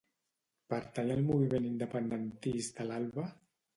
Pertany al moviment independentista l'Alba?